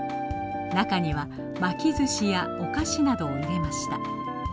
中には巻きずしやお菓子などを入れました。